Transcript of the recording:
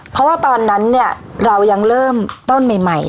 เพราะว่าตอนนั้นเนี่ยเรายังเริ่มต้นใหม่